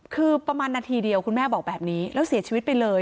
คือประมาณนาทีเดียวคุณแม่บอกแบบนี้แล้วเสียชีวิตไปเลย